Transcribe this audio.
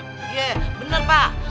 iya bener pak